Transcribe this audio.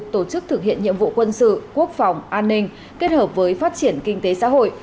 tổ chức thực hiện nhiệm vụ quân sự quốc phòng an ninh kết hợp với phát triển kinh tế xã hội